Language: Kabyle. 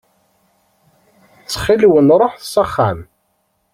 Ttxil-wen ruḥet s axxam.